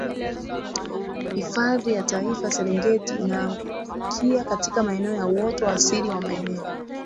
Hifadhi ya Taifa ya Serengeti inaangukia katika maeneo ya uoto wa asili wa maeneo